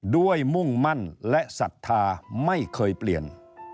ด้วยมุ่งมั่นและศัฒนาไม่เคยเปลี่ยน